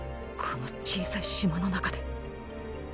この小さい島の中で。